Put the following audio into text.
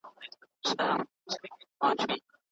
ښه لیکوالۍ لپاره زیار اړین دی.